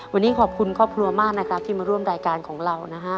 วันนี้ขอบคุณครอบครัวมากนะครับที่มาร่วมรายการของเรานะฮะ